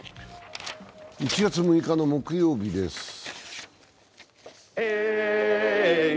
１月６日の木曜日です。